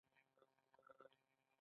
انګور د افغانستان د صادراتو برخه ده.